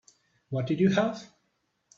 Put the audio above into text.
What did you have?